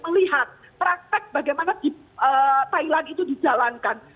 melihat praktek bagaimana thailand itu dijalankan